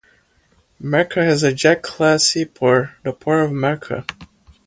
Merca has a jetty-class seaport, the Port of Merca.